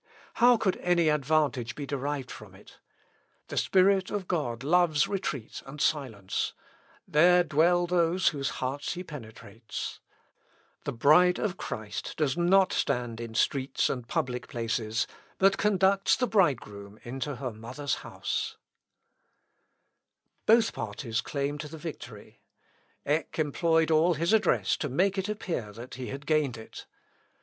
How could any advantage be derived from it? The Spirit of God loves retreat and silence: there dwell those whose hearts he penetrates. The bride of Christ does not stand in streets and public places, but conducts the Bridegroom into her mother's house." Melancth. Op., p. 134. [Sidenote: LUTHER'S SERMON. THE BURGHERS OF LEIPSIC.] Both parties claimed the victory. Eck employed all his address to make it appear that he had gained it.